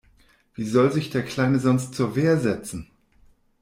Wie soll sich der Kleine sonst zur Wehr setzen?